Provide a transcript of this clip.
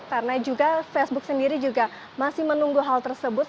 karena juga facebook sendiri juga masih menunggu hal tersebut